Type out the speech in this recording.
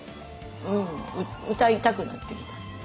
うん歌いたくなってきた。